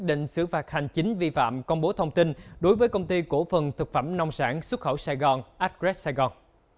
đối với công ty cổ phần thực phẩm nông sản xuất khẩu sài gòn adgres saigon